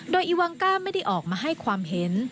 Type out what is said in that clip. โดยอีวังก้าไม่ได้ออกมาให้ความเห็น